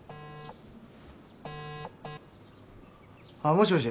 もしもし？